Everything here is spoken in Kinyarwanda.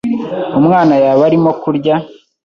umwana yaba arimo kurya